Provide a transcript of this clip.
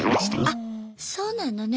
あっそうなのね。